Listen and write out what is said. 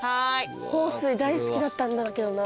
豊水大好きだったんだけどな。